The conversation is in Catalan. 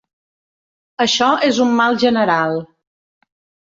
Això és un mal general.